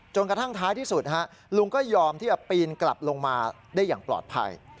กระทั่งท้ายที่สุดลุงก็ยอมที่จะปีนกลับลงมาได้อย่างปลอดภัย